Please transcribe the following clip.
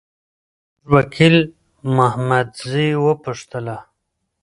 موږ وکیل محمدزی وپوښتله.